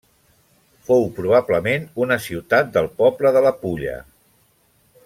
Fou probablement una ciutat del poble de la Pulla.